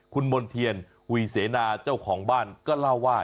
คุณมณ์เทียนหุยเสนาเจ้าของบ้านก็เล่าว่า